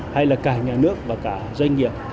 hay là cả nhà nước và cả doanh nghiệp